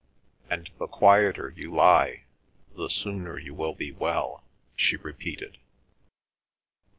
"And the quieter you lie the sooner you will be well," she repeated.